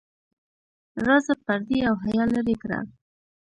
راځه پردې او حیا لرې کړه.